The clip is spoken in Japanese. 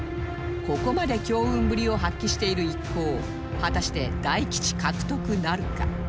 ここまで強運ぶりを発揮している一行果たして大吉獲得なるか？